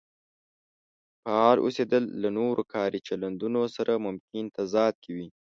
فعال اوسېدل له نورو کاري چلندونو سره ممکن تضاد کې وي.